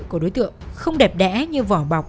của đối tượng không đẹp đẽ như vỏ bọc